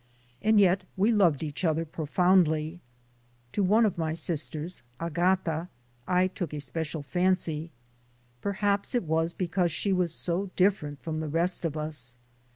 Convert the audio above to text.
And yet we loved each other profoundly. To one of my sisters, Agata, I took a special fancy. Perhaps it was because she was 18 THE SOUL OF AN IMMIGRANT so different from the rest of us.